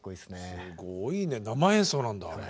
すごいね生演奏なんだあれ。